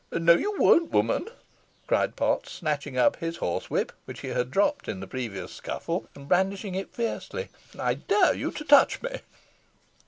"No you won't, woman," cried Potts, snatching up his horsewhip, which he had dropped in the previous scuffle, and brandishing it fiercely. "I dare you to touch me."